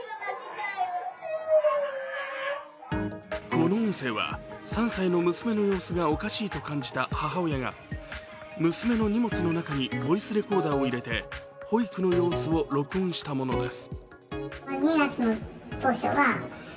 この音声は３歳の娘の様子がおかしいと感じた母親が娘の荷物の中にボイスレコーダーを入れて、保育の様子を録音したものです。